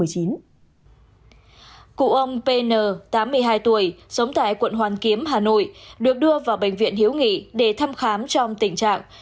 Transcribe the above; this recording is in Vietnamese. cụ ông pn tám mươi hai tuổi sống tại quận hoàn kiếm hà nội được đưa vào bệnh viện hiếu nghị để thăm khám trong tình trạng